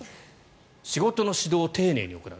仕事の指導を丁寧に行う。